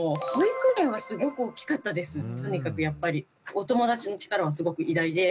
お友達の力はすごく偉大で。